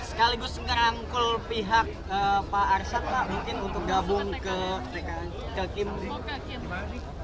sekaligus ngerangkul pihak pak arsyad pak mungkin untuk gabung ke kimli